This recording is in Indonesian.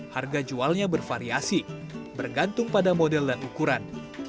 harga jualnya bervariasi bergantung pada model dan ukuran